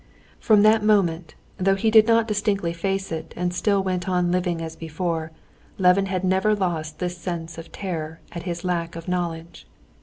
From that moment, though he did not distinctly face it, and still went on living as before, Levin had never lost this sense of terror at his lack of knowledge.